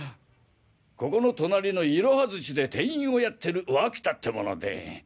ここの隣のいろは寿司で店員をやってる脇田って者で。